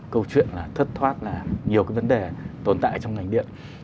câu chuyện là thất thoát là nhiều cái vấn đề tồn tại trong ngành điện